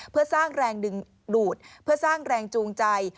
เพื่อสร้างแรงดึงดูดเพื่อสร้างแรงจูงใจ